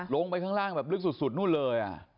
ลงไปข้างล่างแบบลึกสุดนู่นเลย